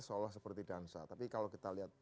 seolah seperti dansa tapi kalau kita lihat